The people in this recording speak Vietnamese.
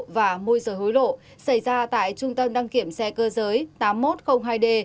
và môi rời hối lộ xảy ra tại trung tâm đăng kiểm xe cơ giới tám nghìn một trăm linh hai d